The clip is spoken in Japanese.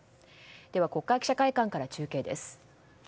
では国会記者会館から中継です。